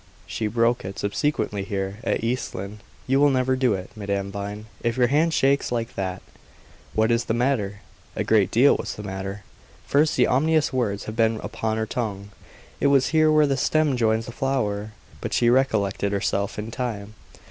She broke it subsequently here, at East Lynne. You will never do it, Madame Vine, if your hand shakes like that. What is the matter?" A great deal was the matter. First, the ominous words had been upon her tongue. "It was here where the stem joins the flower;" but she recollected herself in time.